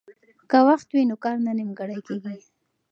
که وخت وي نو کار نه نیمګړی کیږي.